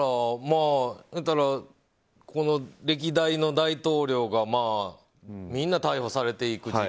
歴代の大統領がみんな逮捕されていく。